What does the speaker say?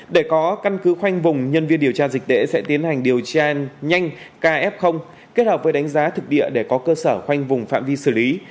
để có căn cứ khoanh vùng nhân viên điều tra dịch tễ sẽ tiến hành điều tra nhanh kf kết hợp với đánh giá thực địa để có cơ sở khoanh vùng phạm vi xử lý